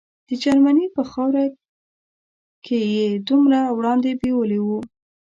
د جرمني په خاوره کې یې دومره وړاندې بیولي وو.